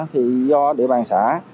thì do địa bàn xã